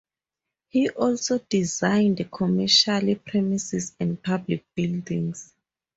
He also designed commercial premises and public buildings.